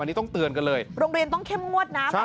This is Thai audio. อันนี้ต้องเตือนกันเลยโรงเรียนต้องเข้มงวดนะ